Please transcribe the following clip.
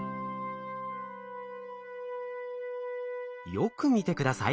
よく見て下さい。